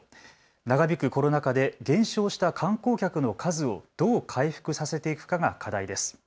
長引くコロナ禍で減少した観光客の数をどう回復させていくかが課題です。